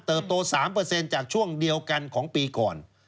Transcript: โต๓จากช่วงเดียวกันของปีก่อน